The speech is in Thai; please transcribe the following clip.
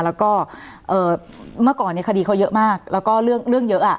แล้วก็เมื่อก่อนเนี่ยคดีเขาเยอะมากแล้วก็เรื่องเยอะ